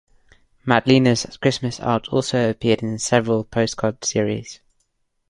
Madlener's Christmas art also appeared in several postcard series.